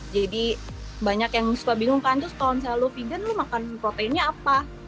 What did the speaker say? jadi banyak yang suka bingung kan terus kalau misalnya lo vegan lo makan proteinnya apa